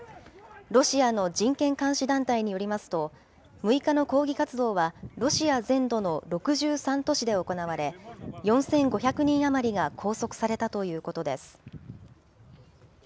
ロシアの人権監視団体によりますと、６日の抗議活動はロシア全土の６３都市で行われ、４５００人余りが拘束されたということです。